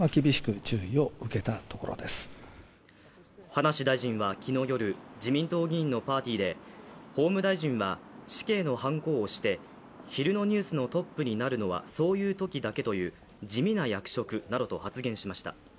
葉梨大臣は昨日夜自民党議員のパーティーで法務大臣は死刑のはんこを押して昼のニュースのトップになるのはそういうときだけという地味な役職などと発言しました。